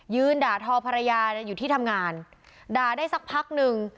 ด่าทอภรรยาอยู่ที่ทำงานด่าได้สักพักหนึ่ง